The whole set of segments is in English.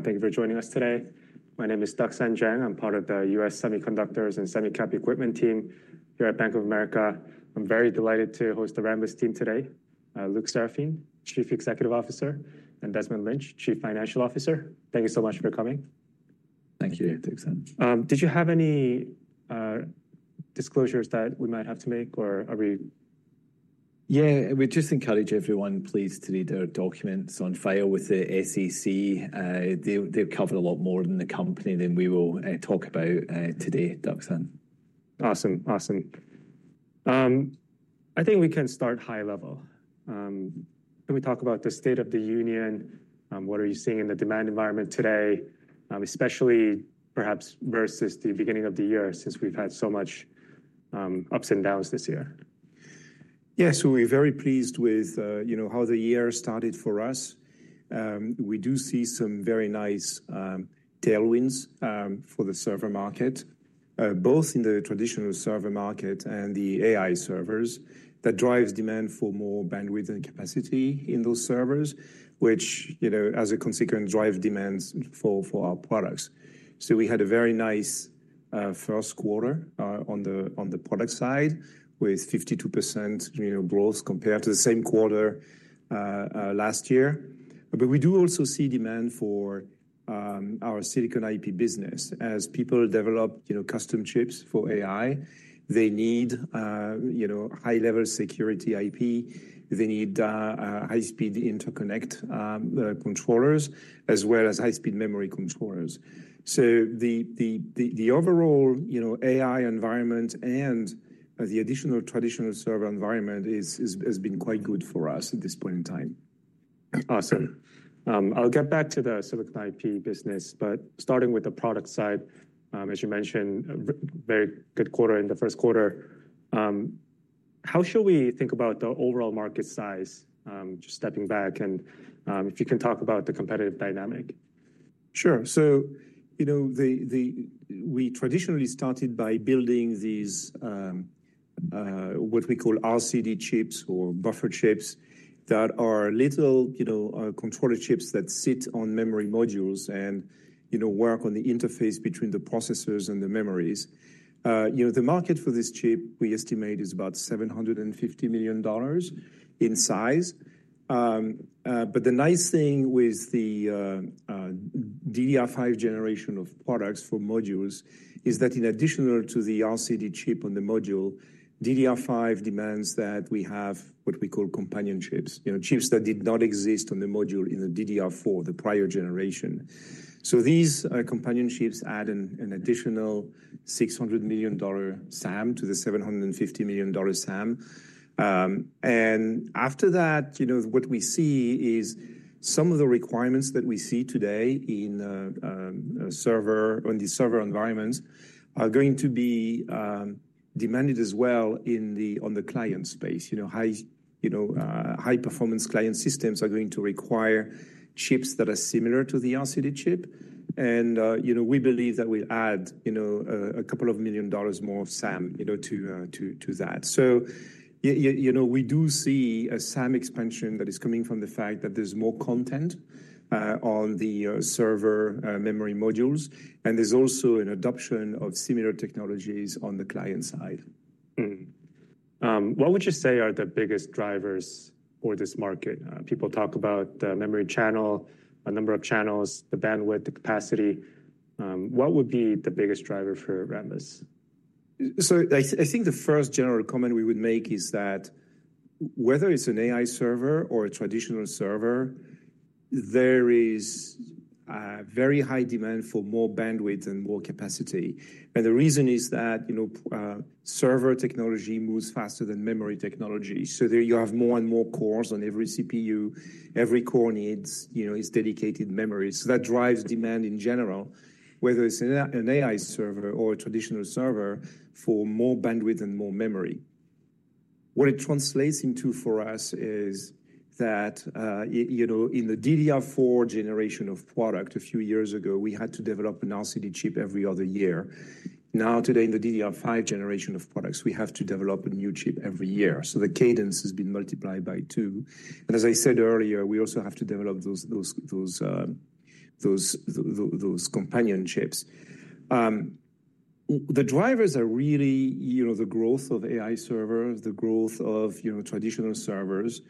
Thank you for joining us today. My name is Duksan Jang. I'm part of the U.S. Semiconductors and Semicap Equipment team here at Bank of America. I'm very delighted to host the Rambus team today. Luc Seraphin, Chief Executive Officer, and Desmond Lynch, Chief Financial Officer. Thank you so much for coming. Thank you, Duksan. Did you have any disclosures that we might have to make, or are we? Yeah, we just encourage everyone please to read our documents on file with the SEC. They cover a lot more than the company than we will talk about today, Duksan. Awesome, awesome. I think we can start high level. Can we talk about the state of the union? What are you seeing in the demand environment today, especially perhaps versus the beginning of the year since we've had so much ups and downs this year? Yeah, so we're very pleased with how the year started for us. We do see some very nice tailwinds for the server market, both in the traditional server market and the AI servers. That drives demand for more bandwidth and capacity in those servers, which, as a consequence, drives demands for our products. We had a very nice first quarter on the product side with 52% growth compared to the same quarter last year. We do also see demand for our silicon IP business. As people develop custom chips for AI, they need high-level security IP. They need high-speed interconnect controllers, as well as high-speed memory controllers. The overall AI environment and the additional traditional server environment has been quite good for us at this point in time. Awesome. I'll get back to the silicon IP business, but starting with the product side, as you mentioned, very good quarter in the first quarter. How should we think about the overall market size, just stepping back, and if you can talk about the competitive dynamic? Sure. We traditionally started by building what we call RCD chips or buffer chips that are little controller chips that sit on memory modules and work on the interface between the processors and the memories. The market for this chip, we estimate, is about $750 million in size. The nice thing with the DDR5 generation of products for modules is that in addition to the RCD chip on the module, DDR5 demands that we have what we call companion chips, chips that did not exist on the module in DDR4, the prior generation. These companion chips add an additional $600 million SAM to the $750 million SAM. After that, what we see is some of the requirements that we see today on these server environments are going to be demanded as well on the client space. High-performance client systems are going to require chips that are similar to the RCD chip. We believe that we'll add a couple of million dollars more of SAM to that. We do see a SAM expansion that is coming from the fact that there's more content on the server memory modules. There's also an adoption of similar technologies on the client side. What would you say are the biggest drivers for this market? People talk about the memory channel, a number of channels, the bandwidth, the capacity. What would be the biggest driver for Rambus? I think the first general comment we would make is that whether it is an AI server or a traditional server, there is very high demand for more bandwidth and more capacity. The reason is that server technology moves faster than memory technology. You have more and more cores on every CPU. Every core needs its dedicated memory. That drives demand in general, whether it is an AI server or a traditional server, for more bandwidth and more memory. What it translates into for us is that in the DDR4 generation of product a few years ago, we had to develop an RCD chip every other year. Now, today, in the DDR5 generation of products, we have to develop a new chip every year. The cadence has been multiplied by two. As I said earlier, we also have to develop those companion chips. The drivers are really the growth of AI servers, the growth of traditional servers,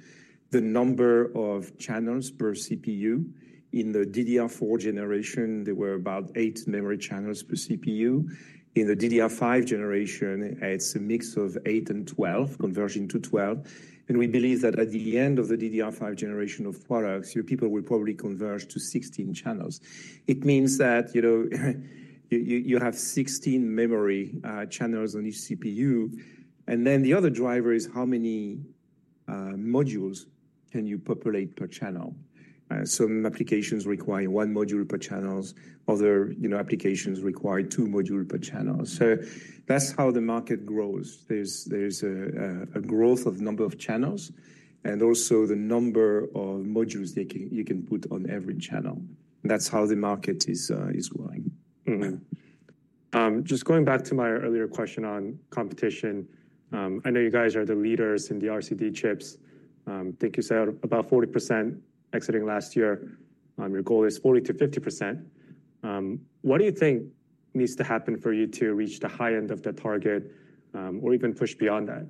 the number of channels per CPU. In the DDR4 generation, there were about eight memory channels per CPU. In the DDR5 generation, it's a mix of eight and twelve, converging to twelve. We believe that at the end of the DDR5 generation of products, people will probably converge to 16 channels. It means that you have 16 memory channels on each CPU. The other driver is how many modules you can populate per channel. Some applications require one module per channel. Other applications require two modules per channel. That's how the market grows. There's a growth of the number of channels and also the number of modules you can put on every channel. That's how the market is growing. Just going back to my earlier question on competition, I know you guys are the leaders in the RCD chips. Thank you, Saad. About 40% exiting last year. Your goal is 40%-50%. What do you think needs to happen for you to reach the high end of the target or even push beyond that?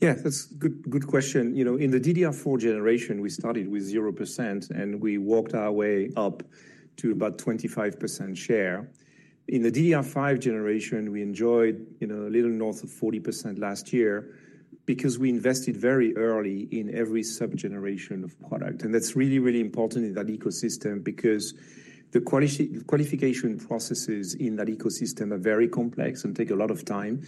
Yeah, that's a good question. In the DDR4 generation, we started with 0%, and we walked our way up to about 25% share. In the DDR5 generation, we enjoyed a little north of 40% last year because we invested very early in every sub-generation of product. That's really, really important in that ecosystem because the qualification processes in that ecosystem are very complex and take a lot of time.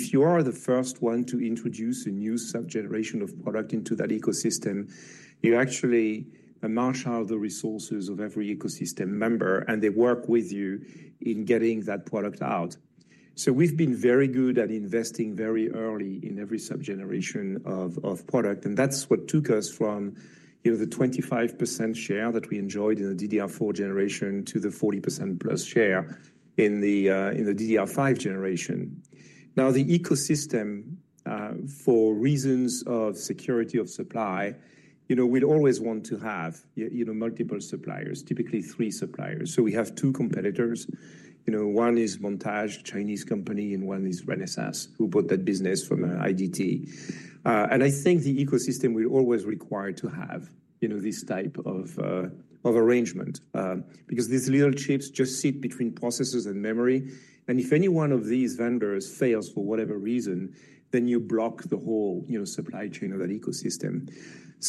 If you are the first one to introduce a new sub-generation of product into that ecosystem, you actually march out the resources of every ecosystem member, and they work with you in getting that product out. We've been very good at investing very early in every sub-generation of product. That's what took us from the 25% share that we enjoyed in the DDR4 generation to the 40% plus share in the DDR5 generation. Now, the ecosystem, for reasons of security of supply, we'd always want to have multiple suppliers, typically three suppliers. We have two competitors. One is Montage, a Chinese company, and one is Renesas, who bought that business from IDT. I think the ecosystem will always require to have this type of arrangement because these little chips just sit between processors and memory. If any one of these vendors fails for whatever reason, then you block the whole supply chain of that ecosystem.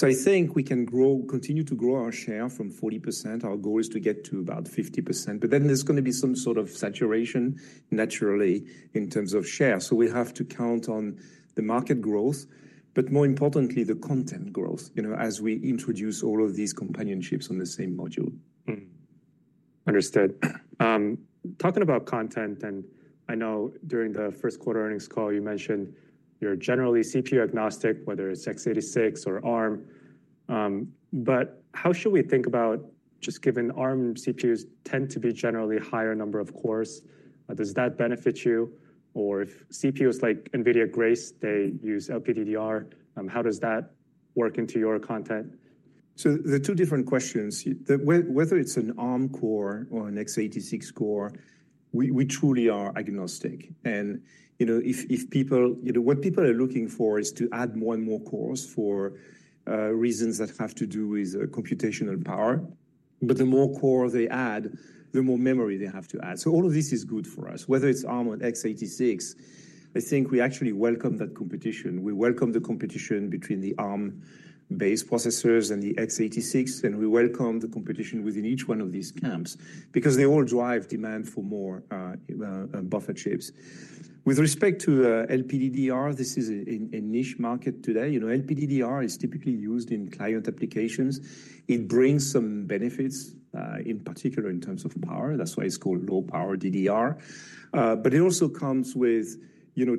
I think we can continue to grow our share from 40%. Our goal is to get to about 50%. There is going to be some sort of saturation, naturally, in terms of share. We have to count on the market growth, but more importantly, the content growth as we introduce all of these companion chips on the same module. Understood. Talking about content, and I know during the first quarter earnings call, you mentioned you're generally CPU agnostic, whether it's x86 or ARM. How should we think about just given ARM CPUs tend to be generally higher number of cores? Does that benefit you? Or if CPUs like NVIDIA Grace, they use LPDDR, how does that work into your content? The two different questions, whether it's an ARM core or an x86 core, we truly are agnostic. What people are looking for is to add more and more cores for reasons that have to do with computational power. The more cores they add, the more memory they have to add. All of this is good for us. Whether it's ARM or x86, I think we actually welcome that competition. We welcome the competition between the ARM-based processors and the x86, and we welcome the competition within each one of these camps because they all drive demand for more buffer chips. With respect to LPDDR, this is a niche market today. LPDDR is typically used in client applications. It brings some benefits, in particular in terms of power. That's why it's called low-power DDR. It also comes with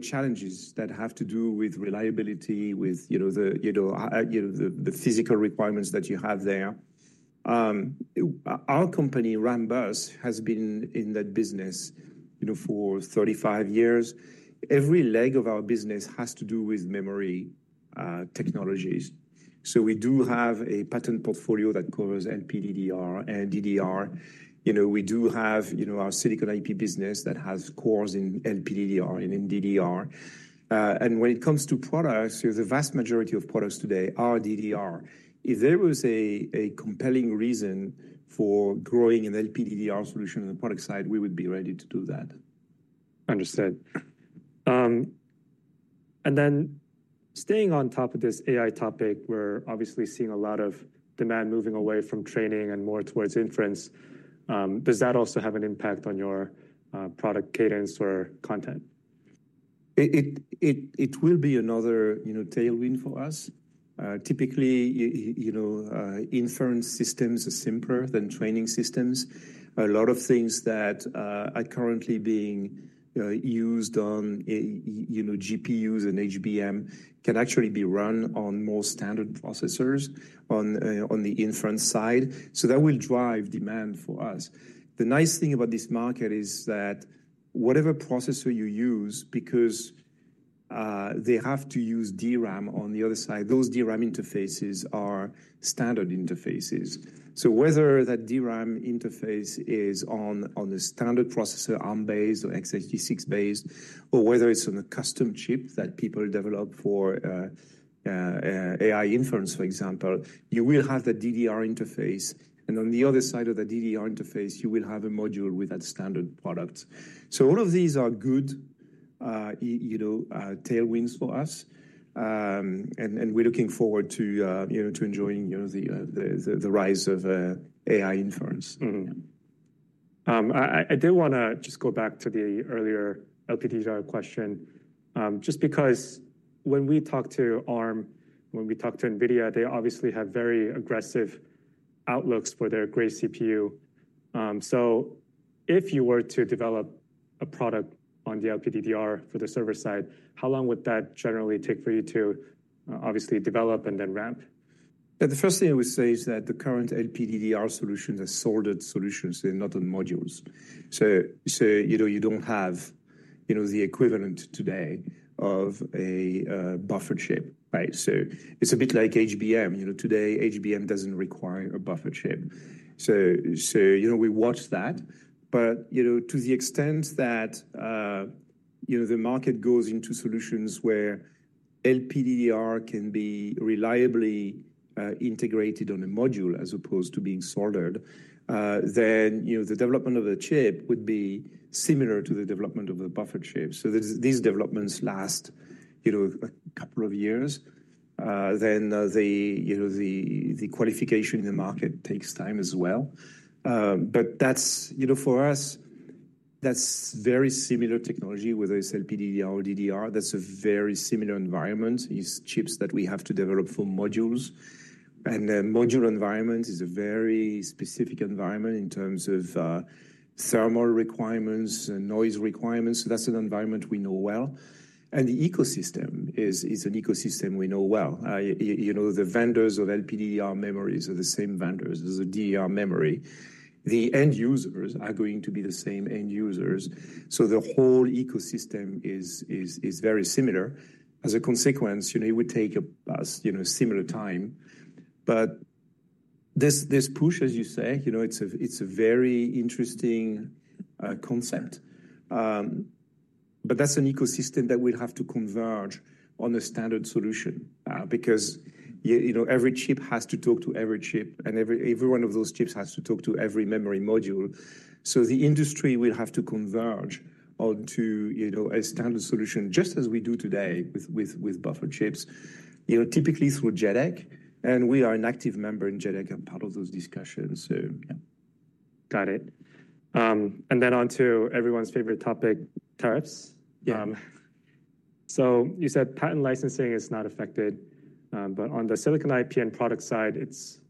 challenges that have to do with reliability, with the physical requirements that you have there. Our company, Rambus, has been in that business for 35 years. Every leg of our business has to do with memory technologies. We do have a patent portfolio that covers LPDDR and DDR. We do have our silicon IP business that has cores in LPDDR and in DDR. When it comes to products, the vast majority of products today are DDR. If there was a compelling reason for growing an LPDDR solution on the product side, we would be ready to do that. Understood. And then staying on top of this AI topic, we're obviously seeing a lot of demand moving away from training and more towards inference. Does that also have an impact on your product cadence or content? It will be another tailwind for us. Typically, inference systems are simpler than training systems. A lot of things that are currently being used on GPUs and HBM can actually be run on more standard processors on the inference side. That will drive demand for us. The nice thing about this market is that whatever processor you use, because they have to use DRAM on the other side, those DRAM interfaces are standard interfaces. Whether that DRAM interface is on a standard processor, ARM-based or x86-based, or whether it is on a custom chip that people develop for AI inference, for example, you will have the DDR interface. On the other side of the DDR interface, you will have a module with that standard product. All of these are good tailwinds for us. We are looking forward to enjoying the rise of AI inference. I did want to just go back to the earlier LPDDR question, just because when we talk to ARM, when we talk to NVIDIA, they obviously have very aggressive outlooks for their Grace CPU. If you were to develop a product on the LPDDR for the server side, how long would that generally take for you to obviously develop and then ramp? The first thing I would say is that the current LPDDR solutions are soldered solutions. They're not on modules. You don't have the equivalent today of a buffered chip. It's a bit like HBM. Today, HBM doesn't require a buffered chip. We watch that. To the extent that the market goes into solutions where LPDDR can be reliably integrated on a module as opposed to being soldered, the development of the chip would be similar to the development of the buffered chip. These developments last a couple of years. The qualification in the market takes time as well. For us, that's very similar technology whether it's LPDDR or DDR. That's a very similar environment. It's chips that we have to develop for modules. The module environment is a very specific environment in terms of thermal requirements and noise requirements. That's an environment we know well. The ecosystem is an ecosystem we know well. The vendors of LPDDR memories are the same vendors as the DDR memory. The end users are going to be the same end users. The whole ecosystem is very similar. As a consequence, it would take us similar time. This push, as you say, it's a very interesting concept. That's an ecosystem that will have to converge on a standard solution because every chip has to talk to every chip, and every one of those chips has to talk to every memory module. The industry will have to converge onto a standard solution, just as we do today with buffered chips, typically through JEDEC. We are an active member in JEDEC and part of those discussions. Got it. And then on to everyone's favorite topic, tariffs. You said patent licensing is not affected. On the silicon IP and product side, it's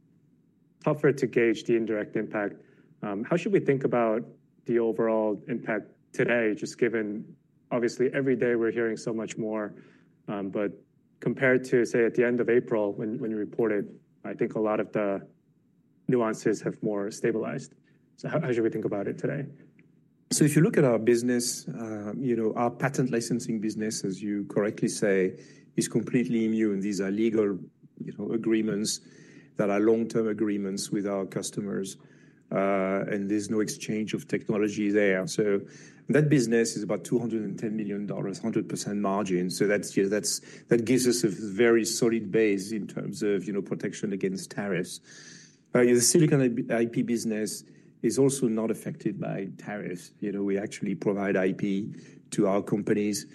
tougher to gauge the indirect impact. How should we think about the overall impact today, just given obviously every day we're hearing so much more, but compared to, say, at the end of April when you reported, I think a lot of the nuances have more stabilized. How should we think about it today? If you look at our business, our patent licensing business, as you correctly say, is completely immune. These are legal agreements that are long-term agreements with our customers. There is no exchange of technology there. That business is about $210 million, 100% margin. That gives us a very solid base in terms of protection against tariffs. The silicon IP business is also not affected by tariffs. We actually provide IP to our companies.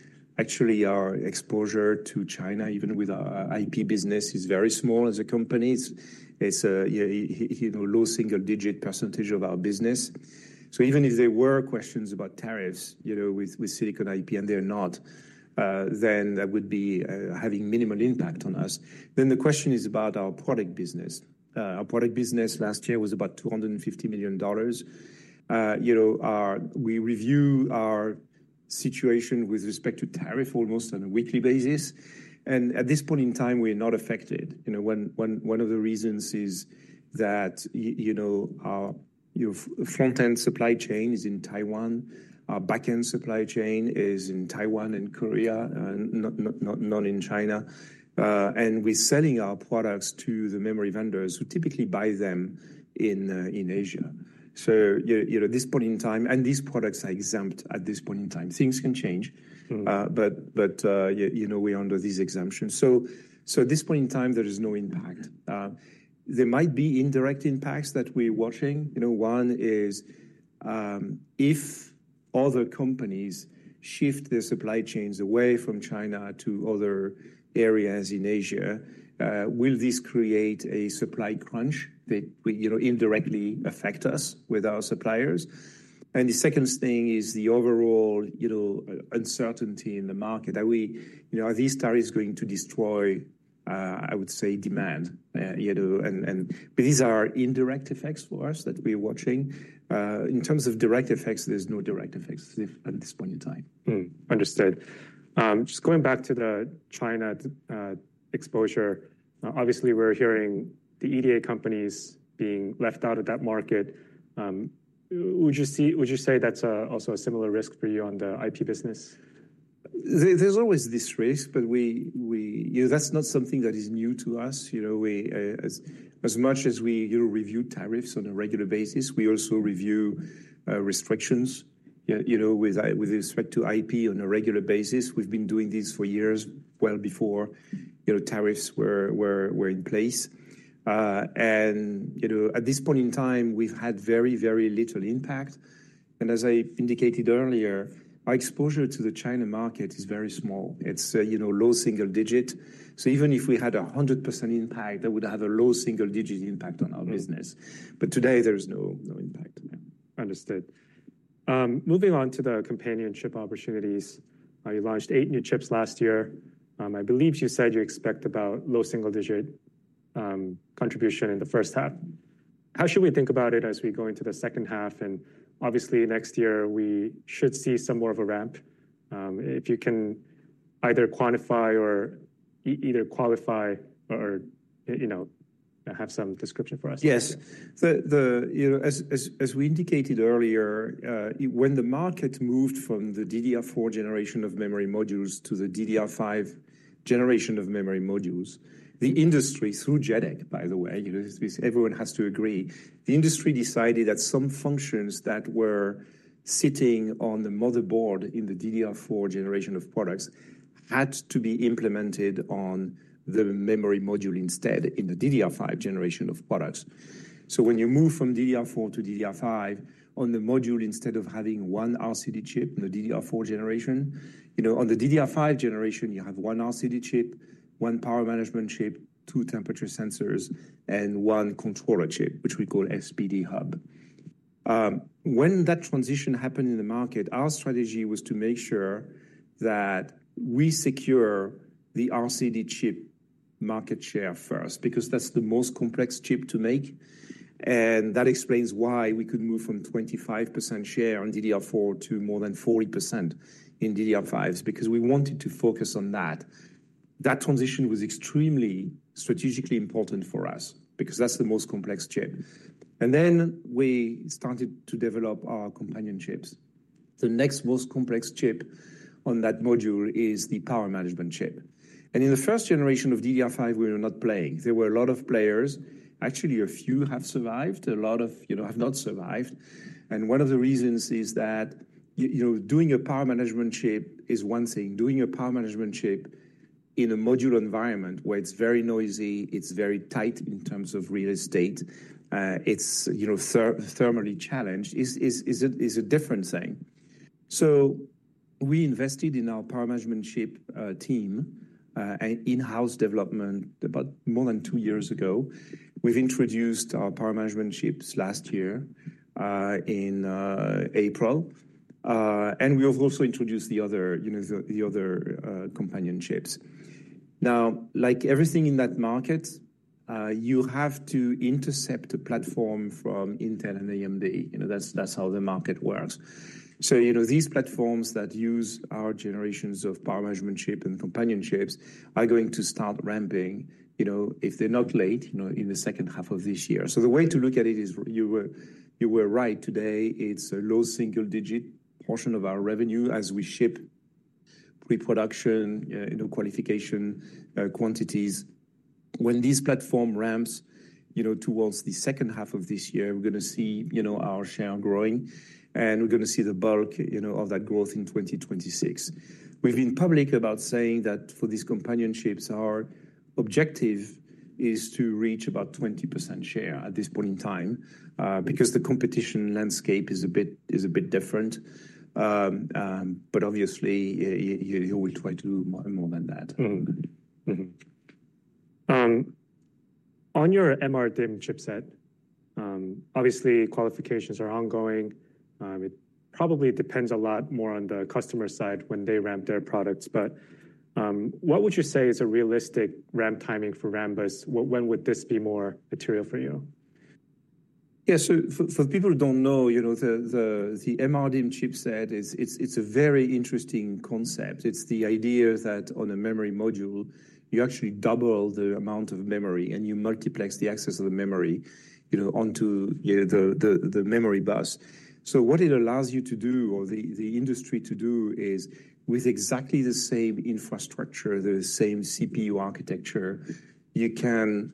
Actually, our exposure to China, even with our IP business, is very small as a company. It is a low single-digit percentage of our business. Even if there were questions about tariffs with silicon IP, and there are not, that would be having minimal impact on us. The question is about our product business. Our product business last year was about $250 million. We review our situation with respect to tariff almost on a weekly basis. At this point in time, we are not affected. One of the reasons is that our front-end supply chain is in Taiwan. Our back-end supply chain is in Taiwan and Korea, not in China. We are selling our products to the memory vendors who typically buy them in Asia. At this point in time, these products are exempt at this point in time. Things can change, but we are under these exemptions. At this point in time, there is no impact. There might be indirect impacts that we are watching. One is if other companies shift their supply chains away from China to other areas in Asia, will this create a supply crunch that will indirectly affect us with our suppliers? The second thing is the overall uncertainty in the market. Are these tariffs going to destroy, I would say, demand? These are indirect effects for us that we're watching. In terms of direct effects, there's no direct effects at this point in time. Understood. Just going back to the China exposure, obviously, we're hearing the EDA companies being left out of that market. Would you say that's also a similar risk for you on the IP business? There's always this risk, but that's not something that is new to us. As much as we review tariffs on a regular basis, we also review restrictions with respect to IP on a regular basis. We've been doing this for years well before tariffs were in place. At this point in time, we've had very, very little impact. As I indicated earlier, our exposure to the China market is very small. It's low single digit. Even if we had a 100% impact, that would have a low single-digit impact on our business. Today, there's no impact. Understood. Moving on to the companion chip opportunities. You launched eight new chips last year. I believe you said you expect about low single-digit contribution in the first half. How should we think about it as we go into the second half? Obviously, next year, we should see some more of a ramp. If you can either quantify or either qualify or have some description for us. Yes. As we indicated earlier, when the market moved from the DDR4 generation of memory modules to the DDR5 generation of memory modules, the industry, through JEDEC, by the way, everyone has to agree, the industry decided that some functions that were sitting on the motherboard in the DDR4 generation of products had to be implemented on the memory module instead in the DDR5 generation of products. When you move from DDR4 to DDR5, on the module, instead of having one RCD chip in the DDR4 generation, on the DDR5 generation, you have one RCD chip, one power management chip, two temperature sensors, and one controller chip, which we call SPD Hub. When that transition happened in the market, our strategy was to make sure that we secure the RCD chip market share first because that's the most complex chip to make. That explains why we could move from 25% share in DDR4 to more than 40% in DDR5 because we wanted to focus on that. That transition was extremely strategically important for us because that's the most complex chip. Then we started to develop our companion chips. The next most complex chip on that module is the power management chip. In the first generation of DDR5, we were not playing. There were a lot of players. Actually, a few have survived. A lot have not survived. One of the reasons is that doing a power management chip is one thing. Doing a power management chip in a module environment where it is very noisy, it is very tight in terms of real estate, it is thermally challenged, is a different thing. We invested in our power management chip team in-house development about more than two years ago. We've introduced our power management chips last year in April. We have also introduced the other companion chips. Now, like everything in that market, you have to intercept a platform from Intel and AMD. That's how the market works. These platforms that use our generations of power management chip and companion chips are going to start ramping if they're not late in the second half of this year. The way to look at it is you were right today. It's a low single-digit portion of our revenue as we ship pre-production qualification quantities. When these platform ramps towards the second half of this year, we're going to see our share growing. We're going to see the bulk of that growth in 2026. We've been public about saying that for these companion chips, our objective is to reach about 20% share at this point in time because the competition landscape is a bit different. Obviously, we'll try to do more than that. On your MRDIM chipset, obviously, qualifications are ongoing. It probably depends a lot more on the customer side when they ramp their products. What would you say is a realistic ramp timing for Rambus? When would this be more material for you? Yeah. So for people who do not know, the MRDIM chipset, it is a very interesting concept. It is the idea that on a memory module, you actually double the amount of memory, and you multiplex the access of the memory onto the memory bus. What it allows you to do, or the industry to do, is with exactly the same infrastructure, the same CPU architecture, you can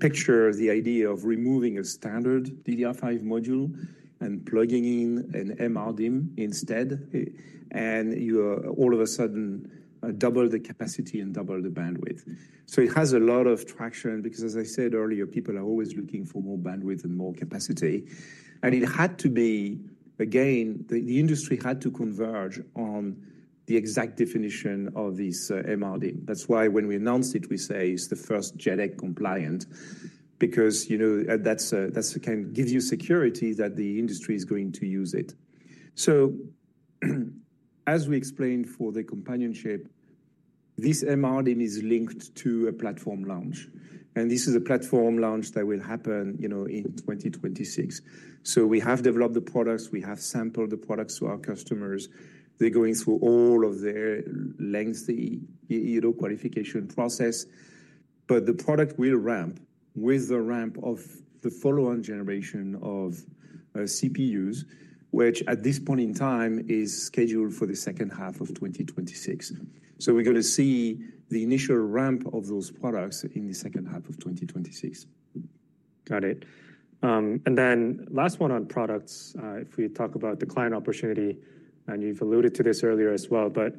picture the idea of removing a standard DDR5 module and plugging in an MRDIM instead. All of a sudden, double the capacity and double the bandwidth. It has a lot of traction because, as I said earlier, people are always looking for more bandwidth and more capacity. It had to be, again, the industry had to converge on the exact definition of this MRDIM. That's why when we announced it, we say it's the first JEDEC compliant because that kind of gives you security that the industry is going to use it. As we explained for the companion chip, this MRDIM is linked to a platform launch. This is a platform launch that will happen in 2026. We have developed the products. We have sampled the products to our customers. They're going through all of their lengthy qualification process. The product will ramp with the ramp of the following generation of CPUs, which at this point in time is scheduled for the second half of 2026. We're going to see the initial ramp of those products in the second half of 2026. Got it. Last one on products, if we talk about the client opportunity, and you've alluded to this earlier as well, but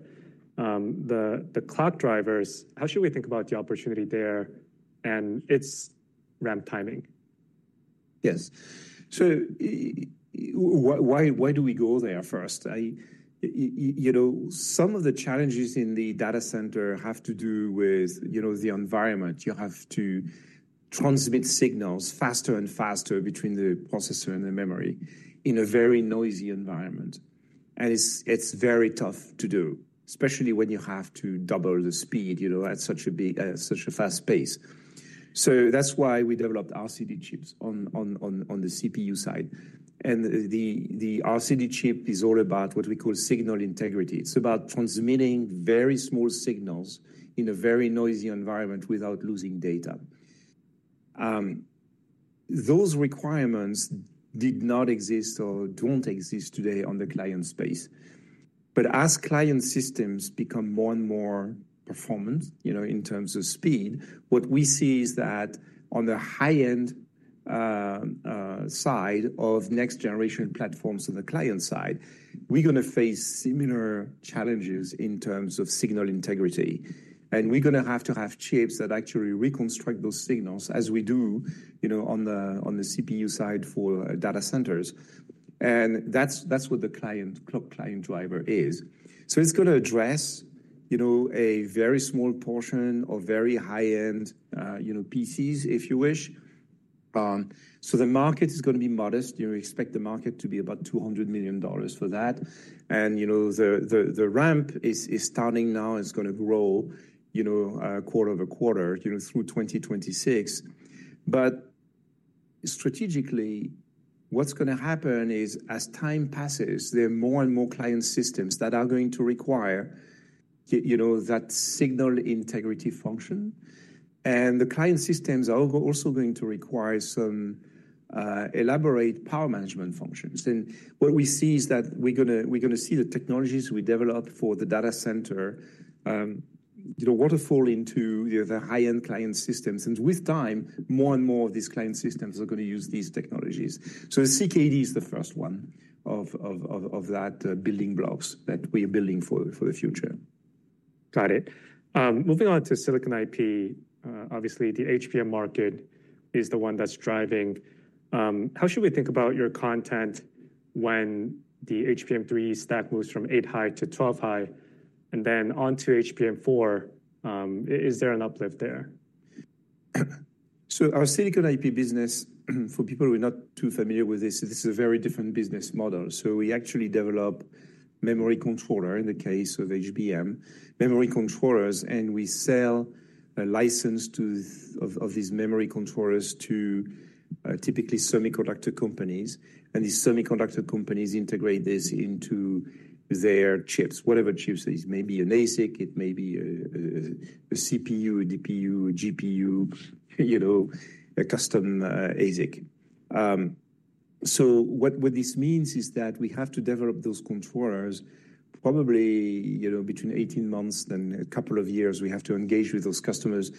the clock drivers, how should we think about the opportunity there and its ramp timing? Yes. Why do we go there first? Some of the challenges in the data center have to do with the environment. You have to transmit signals faster and faster between the processor and the memory in a very noisy environment. It is very tough to do, especially when you have to double the speed at such a fast pace. That is why we developed RCD chips on the CPU side. The RCD chip is all about what we call signal integrity. It is about transmitting very small signals in a very noisy environment without losing data. Those requirements did not exist or do not exist today on the client space. As client systems become more and more performant in terms of speed, what we see is that on the high-end side of next-generation platforms on the client side, we are going to face similar challenges in terms of signal integrity. We're going to have to have chips that actually reconstruct those signals as we do on the CPU side for data centers. That is what the Clock Client Driver is. It is going to address a very small portion of very high-end PCs, if you wish. The market is going to be modest. You expect the market to be about $200 million for that. The ramp is starting now. It is going to grow quarter over quarter through 2026. Strategically, what is going to happen is as time passes, there are more and more client systems that are going to require that signal integrity function. The client systems are also going to require some elaborate power management functions. What we see is that we are going to see the technologies we develop for the data center waterfall into the high-end client systems. With time, more and more of these client systems are going to use these technologies. CKD is the first one of that building blocks that we are building for the future. Got it. Moving on to silicon IP, obviously, the HBM market is the one that's driving. How should we think about your content when the HBM3 stack moves from 8 high to 12 high and then onto HBM4? Is there an uplift there? Our silicon IP business, for people who are not too familiar with this, this is a very different business model. We actually develop memory controller, in the case of HBM, memory controllers, and we sell a license of these memory controllers to typically semiconductor companies. These semiconductor companies integrate this into their chips, whatever chips it is. It may be an ASIC. It may be a CPU, a DPU, a GPU, a custom ASIC. What this means is that we have to develop those controllers probably between 18 months and a couple of years. We have to engage with those customers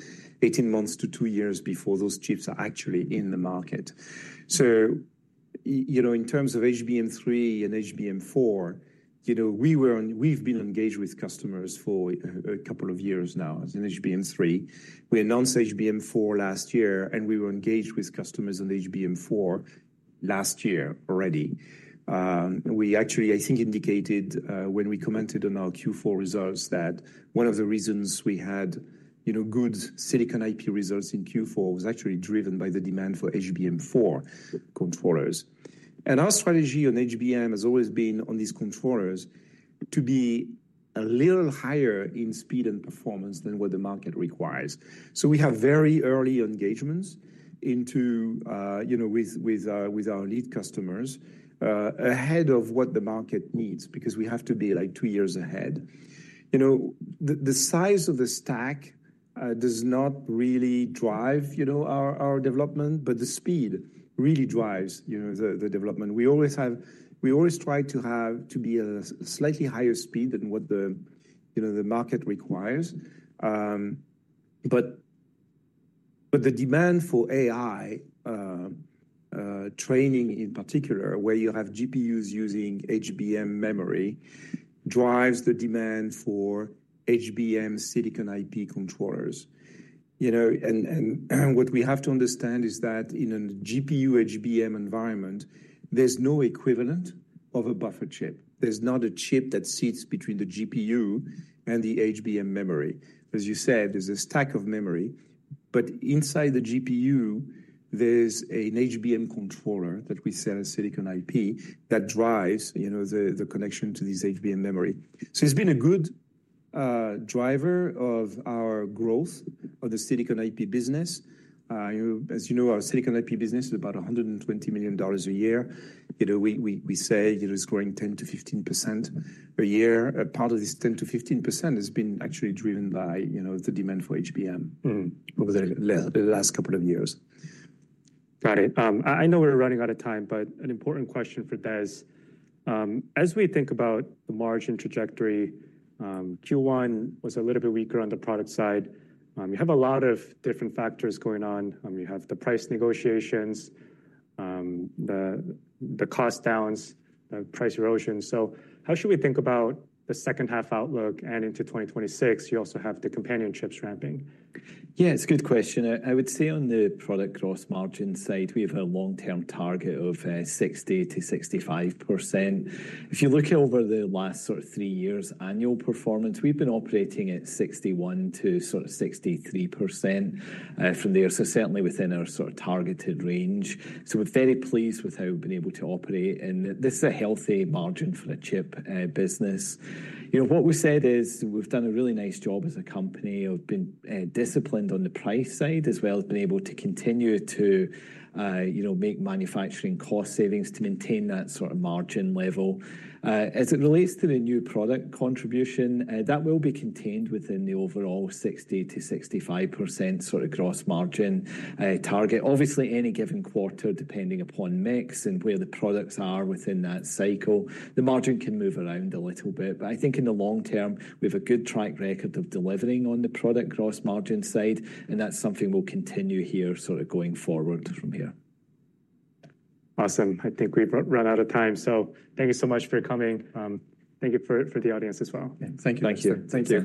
18 months to two years before those chips are actually in the market. In terms of HBM3 and HBM4, we've been engaged with customers for a couple of years now as an HBM3. We announced HBM4 last year, and we were engaged with customers on HBM4 last year already. We actually, I think, indicated when we commented on our Q4 results that one of the reasons we had good silicon IP results in Q4 was actually driven by the demand for HBM4 controllers. Our strategy on HBM has always been on these controllers to be a little higher in speed and performance than what the market requires. We have very early engagements with our lead customers ahead of what the market needs because we have to be like two years ahead. The size of the stack does not really drive our development, but the speed really drives the development. We always try to be at a slightly higher speed than what the market requires. The demand for AI training in particular, where you have GPUs using HBM memory, drives the demand for HBM silicon IP controllers. What we have to understand is that in a GPU HBM environment, there's no equivalent of a buffer chip. There's not a chip that sits between the GPU and the HBM memory. As you said, there's a stack of memory. Inside the GPU, there's an HBM controller that we sell as silicon IP that drives the connection to this HBM memory. It's been a good driver of our growth of the silicon IP business. As you know, our silicon IP business is about $120 million a year. We say it's growing 10%-15% a year. Part of this 10%-15% has been actually driven by the demand for HBM over the last couple of years. Got it. I know we're running out of time, but an important question for Des: as we think about the margin trajectory, Q1 was a little bit weaker on the product side. You have a lot of different factors going on. You have the price negotiations, the cost downs, the price erosion. How should we think about the second half outlook? And into 2026, you also have the companion chips ramping. Yeah, it's a good question. I would say on the product gross margin side, we have a long-term target of 60%-65%. If you look over the last sort of three years' annual performance, we've been operating at 61%-63% from there. Certainly within our sort of targeted range. We're very pleased with how we've been able to operate. This is a healthy margin for a chip business. What we've said is we've done a really nice job as a company of being disciplined on the price side as well as being able to continue to make manufacturing cost savings to maintain that sort of margin level. As it relates to the new product contribution, that will be contained within the overall 60%-65% sort of gross margin target. Obviously, any given quarter, depending upon mix and where the products are within that cycle, the margin can move around a little bit. I think in the long term, we have a good track record of delivering on the product gross margin side. That's something we'll continue here sort of going forward from here. Awesome. I think we've run out of time. Thank you so much for coming. Thank you for the audience as well. Thank you. Thank you.